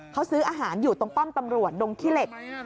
เขาซื้ออาหารอยู่ตรงป้อมตำรวจดงขี้เหล็ก